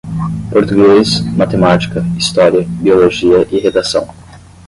Português, matemática, história, biologia e redação